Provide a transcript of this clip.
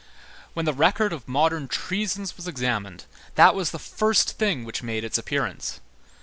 When the record of modern treasons was examined, that was the first thing which made its appearance.